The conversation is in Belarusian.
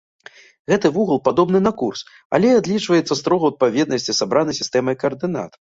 Гэты вугал падобны на курс, але адлічваецца строга ў адпаведнасці з абранай сістэмай каардынат.